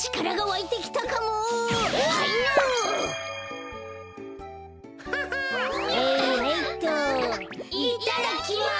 いっただきます！